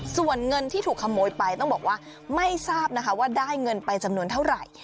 ส่วนเงินที่ถูกขโมยไปต้องบอกว่าไม่ทราบนะคะว่าได้เงินไปจำนวนเท่าไหร่